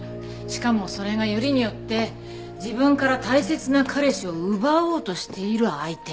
しかもそれがよりによって自分から大切な彼氏を奪おうとしている相手。